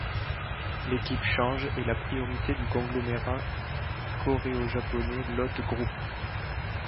L'équipe change est la propriété du conglomérat coréo-japonais Lotte Group.